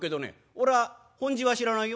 俺は本字は知らないよ」。